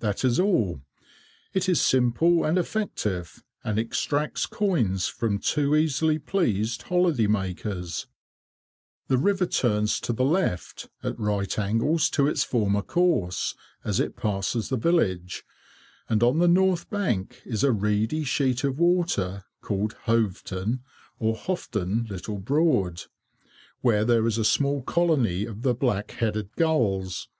That is all. It is simple and effective, and extracts coins from too easily pleased holiday makers. [Picture: Ranworth Church] The river turns to the left, at right angles to its former course, as it passes the village, and on the north bank is a reedy sheet of water, called Hoveton Little Broad, where there is a small colony of the black headed gulls.